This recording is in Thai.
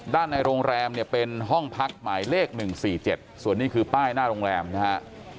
ในโรงแรมเนี่ยเป็นห้องพักหมายเลข๑๔๗ส่วนนี้คือป้ายหน้าโรงแรมนะฮะ